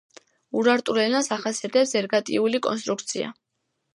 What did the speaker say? ურარტულ ენას ახასიათებს ერგატიული კონსტრუქცია.